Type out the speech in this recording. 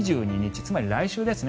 つまり来週ですね。